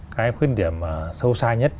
cái khuyết điểm sâu xa nhất